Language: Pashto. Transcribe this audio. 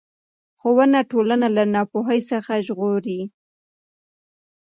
ښوونه ټولنه له ناپوهۍ څخه ژغوري